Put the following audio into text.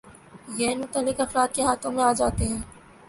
غیر متعلق افراد کے ہاتھوں میں آجاتے ہیں